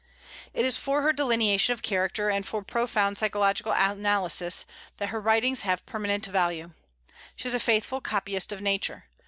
It is for her delineation of character, and for profound psychological analysis, that her writings have permanent value. She is a faithful copyist of Nature.